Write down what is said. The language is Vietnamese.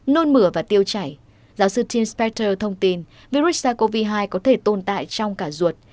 nôn mửa và tiêu chảy giáo sư tin spactor thông tin virus sars cov hai có thể tồn tại trong cả ruột